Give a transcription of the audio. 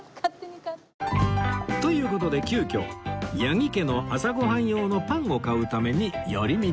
という事で急きょ八木家の朝ご飯用のパンを買うために寄り道